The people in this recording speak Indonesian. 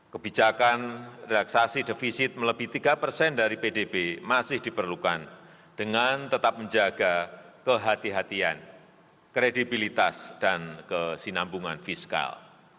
kebijakan relaksasi defisit melebih tiga persen dari pdb masih diperlukan dengan tetap menjaga kehatian kredibilitas dan kesinambungan fiskal